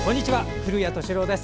古谷敏郎です。